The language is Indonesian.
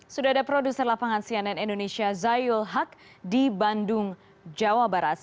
sudah ada produser lapangan cnn indonesia zayul haq di bandung jawa barat